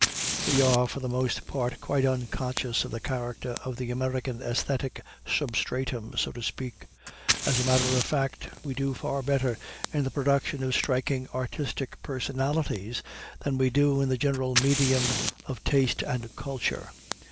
We are for the most part quite unconscious of the character of the American æsthetic substratum, so to speak. As a matter of fact, we do far better in the production of striking artistic personalities than we do in the general medium of taste and culture.